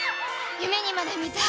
夢にまで見た